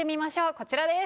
こちらです。